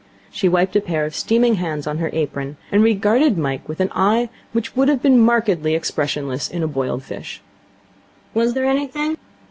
She wiped a pair of steaming hands on her apron, and regarded Mike with an eye which would have been markedly expressionless in a boiled fish. 'Was there anything?'